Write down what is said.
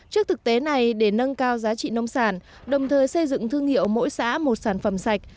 trước thực tế này để nâng cao giá trị nông sản đồng thời xây dựng thương hiệu mỗi xã một sản phẩm sạch